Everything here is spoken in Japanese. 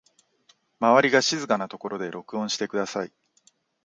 周りが静かなところで録音してください